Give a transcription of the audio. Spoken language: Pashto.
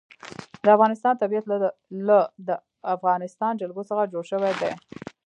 د افغانستان طبیعت له د افغانستان جلکو څخه جوړ شوی دی.